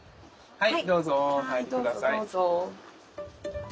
はい。